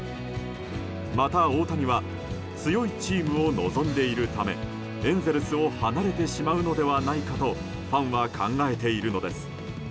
また、大谷は強いチームを望んでいるためエンゼルスを離れてしまうのではないかとファンは考えているのです。